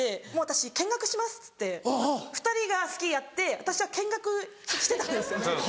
「もう私見学します」っつって２人がスキーやって私は見学してたんですよ。